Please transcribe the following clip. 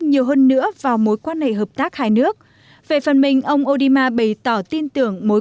nhiều hơn nữa vào mối quan hệ hợp tác hai nước về phần mình ông odima bày tỏ tin tưởng mối